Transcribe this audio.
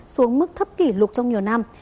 xuống mức thấp kỷ lục trong nhiều năm